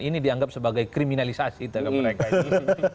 ini dianggap sebagai kriminalisasi dalam mereka ini